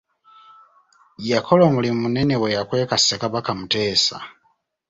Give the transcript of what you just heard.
Yakola omulimu munene bwe yakweka Ssekabaka Muteesa.